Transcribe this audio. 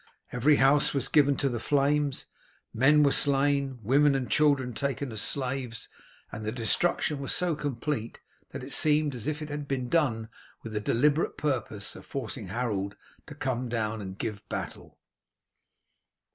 Every house was given to the flames; men were slain, women and children taken as slaves, and the destruction was so complete that it seemed as if it had been done with the deliberate purpose of forcing Harold to come down and give battle.